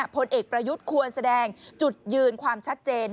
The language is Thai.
ผลเอกประยุทธ์ควรแสดงจุดยืนความชัดเจน